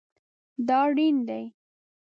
دا ریڼ دی